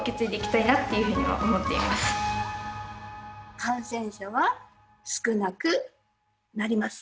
感染者は少なくなります。